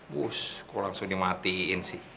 bus kok langsung dimatiin sih